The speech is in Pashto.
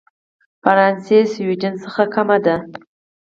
فرانسې سوېډن څخه کمه ده.